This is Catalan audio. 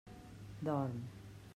Dorm.